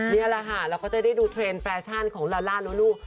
นี่แหละค่ะเราก็จะได้ดูเทรนด์แฟชั่นของลาล่าโนลู